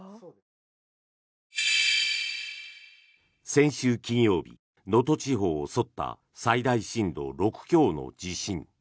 先週金曜日、能登地方を襲った最大震度６強の地震。